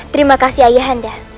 terima kasih ayah anda